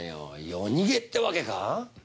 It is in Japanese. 夜逃げってわけか？